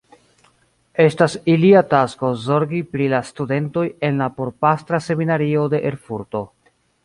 Estas ilia tasko zorgi pri la studentoj en la Porpastra Seminario de Erfurto.